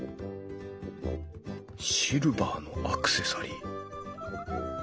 シルバーのアクセサリー。